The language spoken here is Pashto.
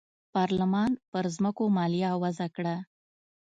پارلمان پر ځمکو مالیه وضعه کړه.